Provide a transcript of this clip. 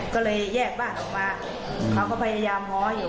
ก็เลยแยกบ้านออกมาเขาก็พยายามง้ออยู่